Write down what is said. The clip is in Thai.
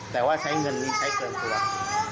แต่ว่าใช้เงินนี้ใช้เกินตัว